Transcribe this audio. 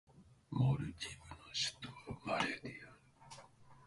モルディブの首都はマレである